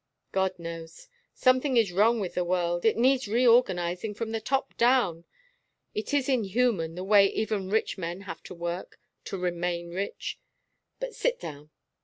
"God knows. Something is wrong with the world. It needs reorganizing from the top down. It is inhuman, the way even rich men have to work to remain rich! But sit down."